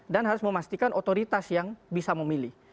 dan harus memastikan otoritas yang bisa memilih